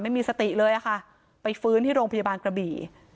ไม่มีสติเลยอะค่ะไปฟื้นที่โรงพยาบาลกระบี่